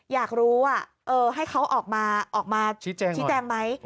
อยากรู้ว่าให้เขาออกมาชี้แจงไหม